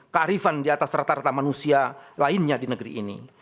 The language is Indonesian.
kearifan di atas rata rata manusia lainnya di negeri ini